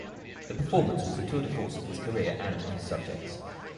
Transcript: The performance was the "tour de force" of his career and of his subjects.